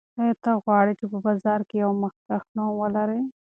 آیا ته غواړې چې په بازار کې یو مخکښ نوم ولرې؟